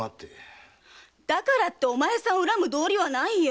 だからってお前さんを恨む道理はないよ！